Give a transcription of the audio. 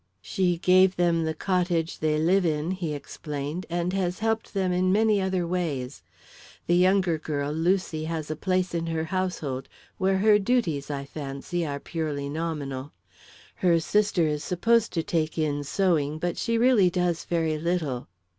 "She gave them the cottage they live in," he explained, "and has helped them in many other ways. The younger girl, Lucy, has a place in her household, where her duties, I fancy, are purely nominal. Her sister is supposed to take in sewing, but she really does very little."